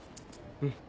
うん。